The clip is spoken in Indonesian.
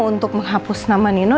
untuk menghapus nama nino